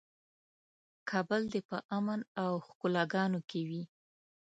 کابل دې په امن او ښکلاګانو کې وي.